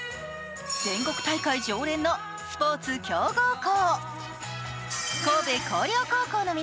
全国大会常連のスポーツ強豪校。